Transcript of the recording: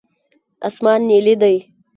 اسمان نیلي دی.